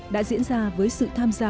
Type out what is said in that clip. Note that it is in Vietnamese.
đã diễn ra với sự tham gia